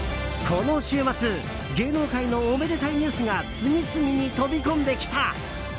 この週末芸能界のおめでたいニュースが次々に飛び込んできた。